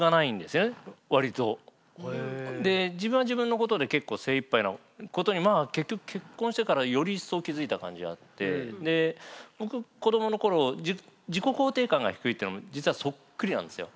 自分は自分のことで結構精いっぱいなことにまあ結局結婚してからより一層気付いた感じがあってで僕子どもの頃自己肯定感が低いってのも実はそっくりなんですよ。